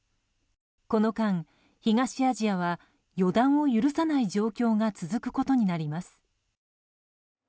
この間、東アジアは予断を許さない状況が続くことになります。